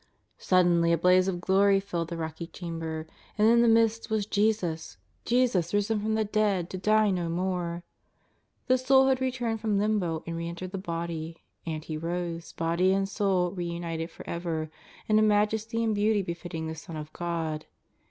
Suddenly a blaze of glory filled the rocky chamber, and in the midst was Jesus, Jesus risen from the dead to die no more ! The Soul had returned from Limbo and re entered the Body, and He rose, Body and Soul reunited for ever, in a majesty and beauty befitting the Son of God.